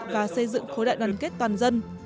và xây dựng khối đại đoàn kết toàn dân